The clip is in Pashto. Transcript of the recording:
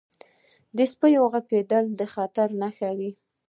• د سپو غپېدل د خطر نښه وي.